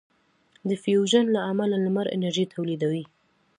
د فیوژن له امله لمر انرژي تولیدوي.